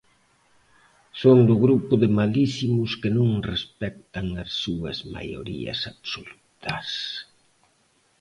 Son do grupo de malísimos que non respectan as súas maiorías absolutas.